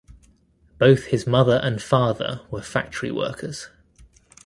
Both his mother and father were factory workers.